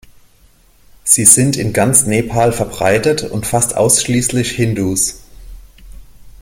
Sie sind in ganz Nepal verbreitet und fast ausschließlich Hindus.